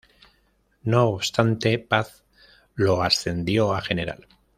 No obstante, Paz lo ascendió a general.